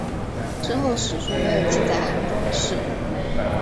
之后史书没有记载韩忠的事。